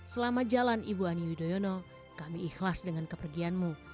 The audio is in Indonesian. selama jalan ibu ani yudhoyono kami ikhlas dengan kepergianmu